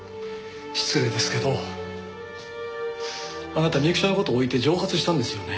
失礼ですけどあなた美雪ちゃんの事置いて蒸発したんですよね？